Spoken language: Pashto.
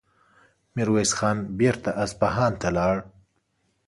ميرويس خان بېرته اصفهان ته لاړ.